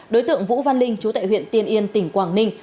đối tượng vũ văn linh chú tại huyện tiên yên tỉnh quảng ninh